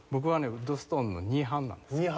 ウッドストーンの２半なんです。